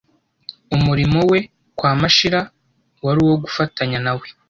umurimo we kwa Mashira wari uwo gufatanya na we